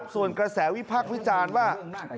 ส่วนกระแสวิพักษ์วิจารณ์ว่า